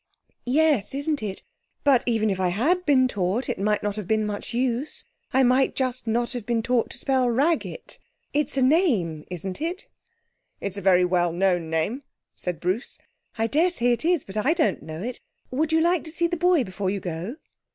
'Yes, isn't it? But even if I had been taught, it might not have been much use. I might just not have been taught to spell "Raggett". It's a name, isn't it?' 'It's a very well known name,' said Bruce. 'I daresay it is, but I don't know it. Would you like to see the boy before you go?'